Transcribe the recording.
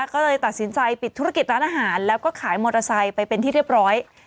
ก็เลยตัดสินใจปิดธุรกิจร้านอาหารแล้วก็ขายมอเตอร์ไซค์ไปเป็นที่เรียบร้อย